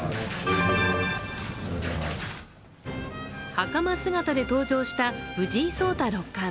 はかま姿で登場した藤井聡太六冠。